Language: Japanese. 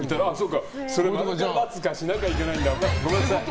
○か×かしなきゃいけないんだ。